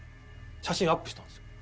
写真をアップしたんですよ。